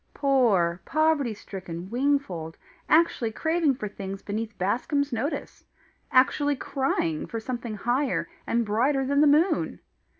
Poor, poverty stricken Wingfold! actually craving for things beneath Bascombe's notice! actually crying for something higher and brighter than the moon!